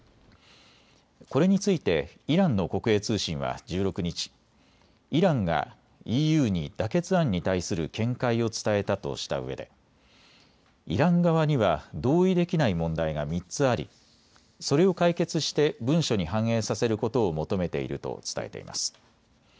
これについてイランの国営通信は１６日、イランがＥＵに妥結案に対する見解を伝えたとしたうえでイラン側には同意できない問題が３つありそれを解決して文書に反映させることを求めていると伝えています。